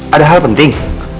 ada hal penting